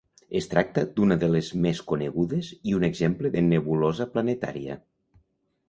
Es tracta d'una de les més conegudes i un exemple de nebulosa planetària.